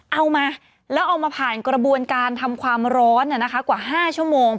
เอามาแล้วเอามาผ่านกระบวนการทำความร้อนกว่า๕ชั่วโมง